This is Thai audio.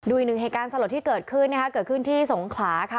อีกหนึ่งเหตุการณ์สลดที่เกิดขึ้นนะคะเกิดขึ้นที่สงขลาค่ะ